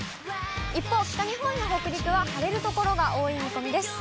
一方、北日本や北陸は晴れる所が多い見込みです。